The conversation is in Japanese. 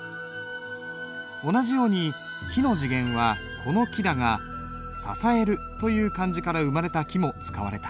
同じように「き」の字源はこの「幾」だが「支える」という漢字から生まれた「き」も使われた。